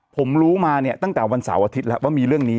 ผมรู้มาเนี่ยตั้งแต่วันเสาร์อาทิตย์แล้วว่ามีเรื่องนี้